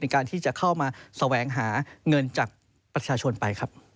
ในการที่จะเข้ามาแสวงหาเงินจากประชาชนไปครับ